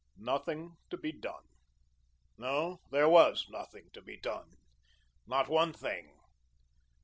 Nothing to be done. No, there was nothing to be done not one thing.